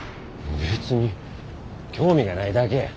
別に興味がないだけや。